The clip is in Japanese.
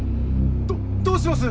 どどうします？